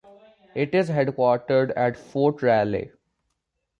It is headquartered at Fort Raleigh.